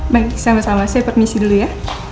baik sama sama saya permisi dulu ya